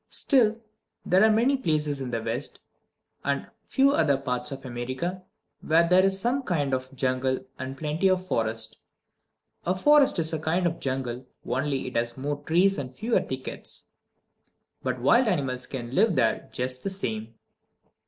Still, there are many places in the West and a few other parts of America where there is some kind of jungle and plenty of forest. A forest is a kind of jungle, only it has more trees, and fewer thickets; but wild animals can live there just the same.